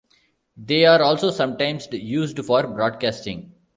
They are also sometimes used for broadcasting.